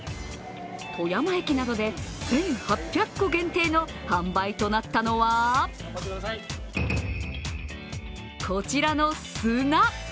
富山駅などで１８００個限定の販売となったのはこちらの砂。